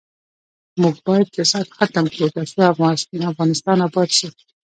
موږ باید فساد ختم کړو ، ترڅو افغانستان اباد شي.